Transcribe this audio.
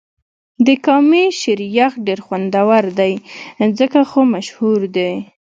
د کامی شیر یخ ډېر خوندور دی ځکه خو مشهور دې.